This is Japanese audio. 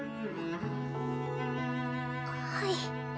はい。